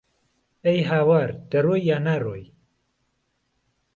ئهی هاوار دهرۆی یا نارۆی